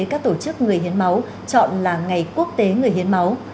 các tổ chức người hiến máu chọn là ngày quốc tế người hiến máu